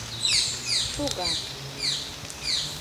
Шогат.